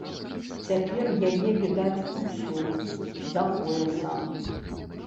Цяпер яе відаць усю да пояса.